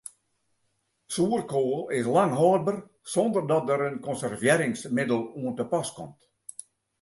Soerkoal is lang hâldber sonder dat der in konservearringsmiddel oan te pas komt.